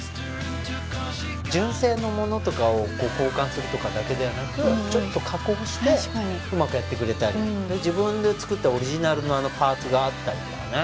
純正のものとかを交換するとかだけではなくちょっと加工してうまくやってくれたり自分で作ったオリジナルのパーツがあったりとかね